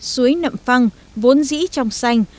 suối nậm phăng vốn dĩ trong xanh